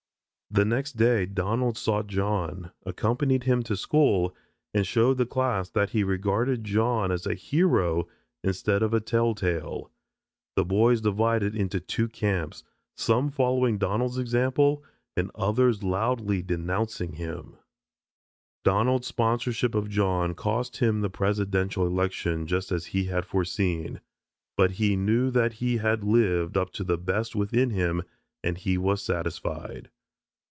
The next day Donald sought John, accompanied him to school, and showed the class that he regarded John as a hero instead of a tell tale. The boys divided into two camps, some following Donald's example, and others loudly denouncing him. Donald's sponsorship of John cost him the presidential election just as he had foreseen, but he knew that he had lived up to the best within him and he was satisfied.